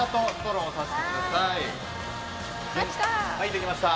できました！